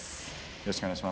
よろしくお願いします。